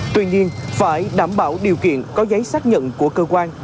tuy nhiên phải đảm bảo điều kiện có giấy xác nhận của cơ quan